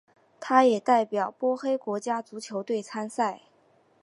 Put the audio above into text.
他也代表波黑国家足球队参赛。